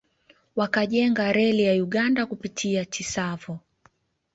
Wakajenga reli ya Uganda kupitia Tsavo